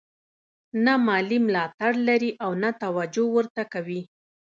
نه مالي ملاتړ لري او نه توجه ورته کوي.